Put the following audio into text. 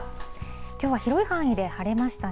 きょうは広い範囲で晴れましたね。